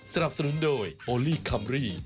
สนับสนุนโดยโอลี่คัมรี่